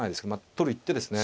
取る一手ですね。